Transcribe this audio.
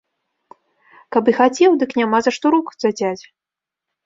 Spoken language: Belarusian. Каб і хацеў, дык няма за што рук зацяць.